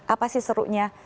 apa sih serunya